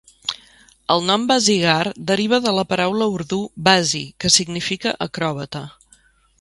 El nom Bazigar deriva de la paraula urdú "bazi", que significa acròbata.